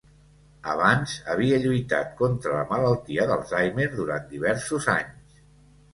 Abans, havia lluitat contra la malaltia d'Alzheimer durant diversos anys.